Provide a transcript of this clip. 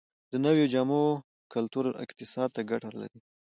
د نویو جامو کلتور اقتصاد ته ګټه لري؟